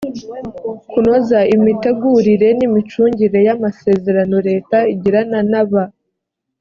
kunoza imitegurire n imicungire y amasezerano leta igirana na ba